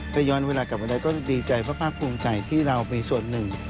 ถ้าย้อนเวลากลับมาได้ก็ดีใจเพราะภาคภูมิใจที่เรามีส่วนหนึ่ง